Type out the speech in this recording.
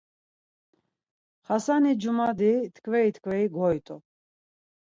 Xasani cumadi tkveri tkveri goyt̆u.